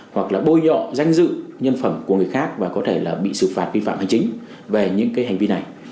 hoặc là bôi nhọ danh dự nhân phẩm của người khác và có thể là bị xử phạt vi phạm hành chính về những cái hành vi này